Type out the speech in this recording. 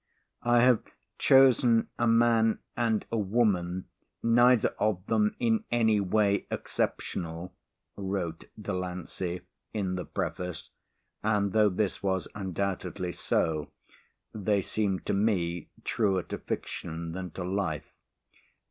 "I have chosen a man and a woman, neither of them in any way exceptional," wrote Delancey in the preface and though this was undoubtedly so, they seemed to me truer to fiction than to life.